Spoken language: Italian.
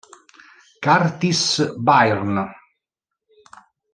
Kurtis Byrne